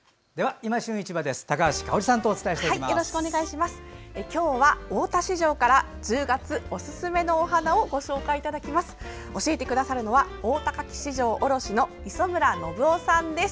今日は大田市場から１０月、おすすめのお花をご紹介いただきます。